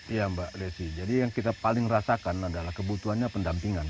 iya mbak desi jadi yang kita paling rasakan adalah kebutuhannya pendampingan